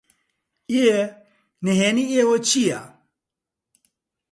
ئێ، نھێنیی ئێوە چییە؟